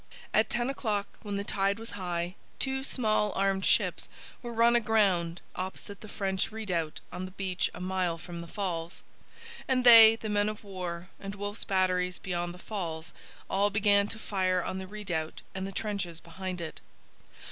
At ten o'clock, when the tide was high, two small armed ships were run aground opposite the French redoubt on the beach a mile from the falls; and they, the men of war, and Wolfe's batteries beyond the falls, all began to fire on the redoubt and the trenches behind it.